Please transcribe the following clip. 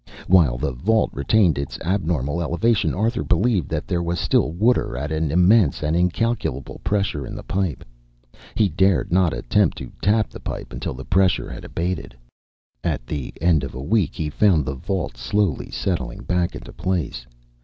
While the vault retained its abnormal elevation, Arthur believed that there was still water at an immense and incalculable pressure in the pipe. He dared not attempt to tap the pipe until the pressure had abated. At the end of a week he found the vault slowly settling back into place.